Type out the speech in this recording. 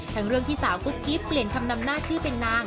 ทั้งเรื่องที่สาวกุ๊กกิ๊บเปลี่ยนคำนำหน้าชื่อเป็นนาง